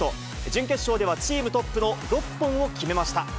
準決勝ではチームトップの６本を決めました。